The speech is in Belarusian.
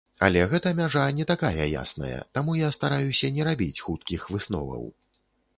Але гэта мяжа не такая ясная, таму я стараюся не рабіць хуткіх высноваў.